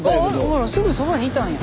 ほらすぐそばにいたんや。